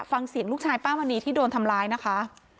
ฟังเสียงลูกชายป้ามณีที่โดนทำร้ายนะคะ